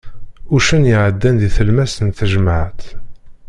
Uccen iɛeddan di tlemmast n tejmaɛt!